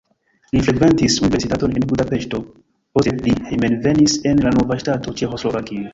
Li frekventis universitaton en Budapeŝto, poste li hejmenvenis en la nova ŝtato Ĉeĥoslovakio.